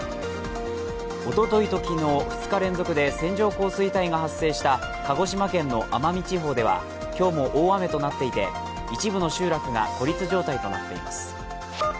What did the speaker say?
おとといと昨日２日連続で線状降水帯が発生した鹿児島県の奄美地方では今日も大雨となっていて、一部の集落が孤立状態となっています。